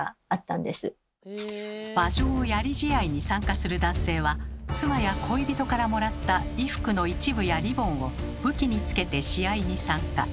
馬上やり試合に参加する男性は妻や恋人からもらった衣服の一部やリボンを武器につけて試合に参加。